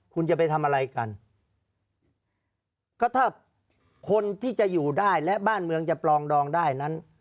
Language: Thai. คุณจะไปทำอะไรกันก็ถ้าคนที่จะอยู่ได้และบ้านเมืองจะปลองดองได้นั้น